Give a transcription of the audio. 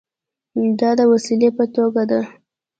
دا د وسیلې په توګه ده.